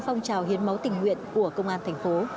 phong trào hiến máu tình nguyện của công an tp